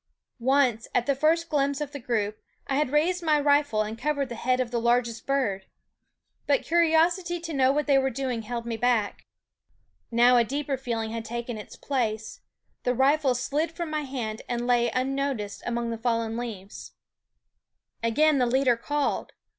Once, at the first glimpse of the group, I had raised my rifle and covered the head of the largest bird; but curiosity to know what they were doing held me back. Now a deeper feeling had taken its place; the rifle slid from my hand and lay unnoticed among the fallen leaves. The Partridges* THE WOODS Again the leader called.